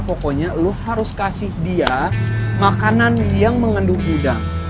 pokoknya lo harus kasih dia makanan yang mengandung udang